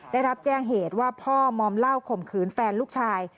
ได้รับแจ้งเหตุว่าพ่อมอมเหล้าข่มขืนแฟนลูกชาย